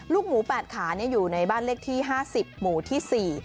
ลูกหมู๘ขาอยู่ในบ้านเลขที่๕๐หมู่ที่๔